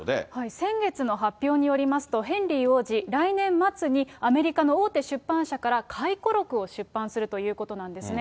先月の発表によりますと、ヘンリー王子、来年末にアメリカの大手出版社から回顧録を出版するということなんですね。